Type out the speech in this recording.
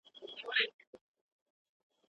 که انلاین زده کړه بې نظمه وي.